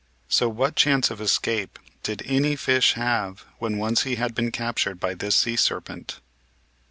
So what chance of escape did any fish have when once he had been captured by this sea serpent?